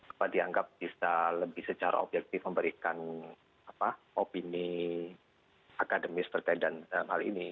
apa dianggap bisa lebih secara objektif memberikan opini akademis terkait dengan hal ini